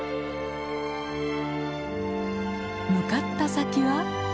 向かった先は？